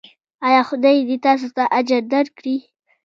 ایا خدای دې تاسو ته اجر درکړي؟